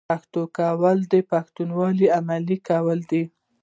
پښتو کول د پښتونولۍ عملي کول دي.